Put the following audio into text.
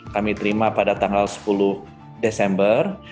kami terima pada tanggal sepuluh desember